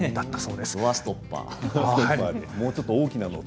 ドアストッパー。